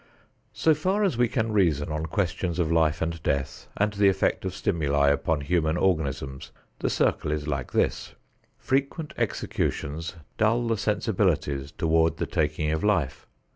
So far as we can reason on questions of life and death and the effect of stimuli upon human organisms, the circle is like this: Frequent executions dull the sensibilities toward the taking of life.